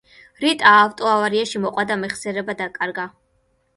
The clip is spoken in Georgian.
რიტა ავტოავარიაში მოყვა და მეხსიერება დაკარგა.